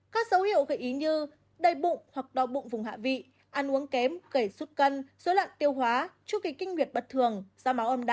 các dấu hiệu gây ý như đầy bụng hoặc đo bụng vùng hạ vị ăn uống kém kể sút cân dối loạn tiêu hóa chút kinh nguyệt bật thường da máu âm đạo